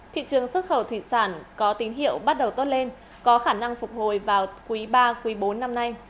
thị trường xuất khẩu thủy sản có tín hiệu bắt đầu tốt lên có khả năng phục hồi vào quý ba quý bốn năm nay